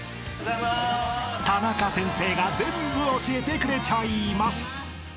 ［タナカ先生が全部教えてくれちゃいます！］